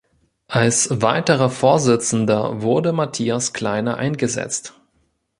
Als weiterer Vorsitzender wurde Matthias Kleiner eingesetzt.